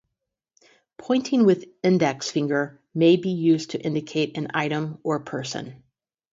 Pointing with index finger may be used to indicate an item or person.